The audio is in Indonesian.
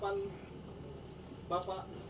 dengan pak a